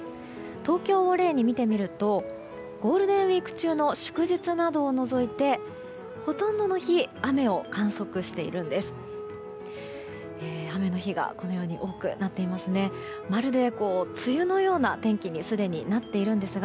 東京を例に見てみるとゴールデンウィーク中の祝日などを除いてほとんどの日雨を観測しているんです。